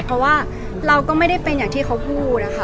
เพราะว่าเราก็ไม่ได้เป็นอย่างที่เขาพูดนะคะ